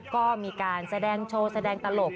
ก็มีการแสดงโชว์แสดงตลก